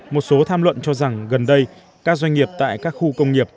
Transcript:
một số tham luận cho rằng gần đây các doanh nghiệp tại các khu công nghiệp